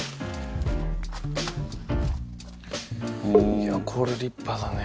いやこれ立派だね。